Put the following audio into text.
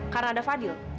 karena ada fadil